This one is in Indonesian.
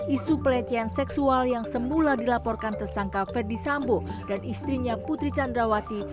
isu pelecehan seksual yang semula dilaporkan tersangka ferdi sambo dan istrinya putri candrawati